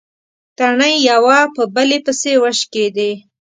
تڼۍ يوه په بلې پسې وشکېدې.